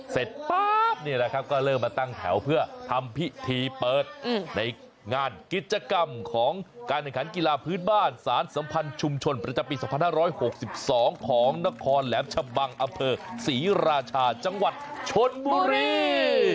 ป๊าบนี่แหละครับก็เริ่มมาตั้งแถวเพื่อทำพิธีเปิดในงานกิจกรรมของการแข่งขันกีฬาพื้นบ้านสารสัมพันธ์ชุมชนประจำปี๒๕๖๒ของนครแหลมชะบังอำเภอศรีราชาจังหวัดชนบุรี